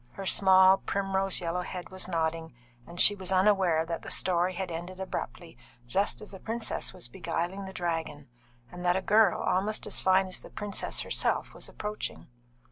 Her small, primrose yellow head was nodding, and she was unaware that the story had ended abruptly just as the princess was beguiling the dragon, and that a girl almost as fine as the princess herself was approaching.